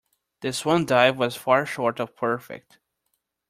The swan dive was far short of perfect.